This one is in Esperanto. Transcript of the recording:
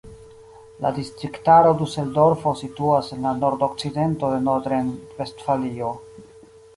La distriktaro Duseldorfo situas en la nordokcidento de Nordrejn-Vestfalio.